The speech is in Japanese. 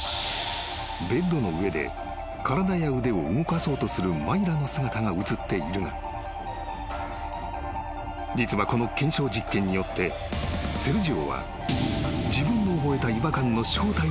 ［ベッドの上で体や腕を動かそうとするマイラの姿が映っているが実はこの検証実験によってセルジオは自分の覚えた］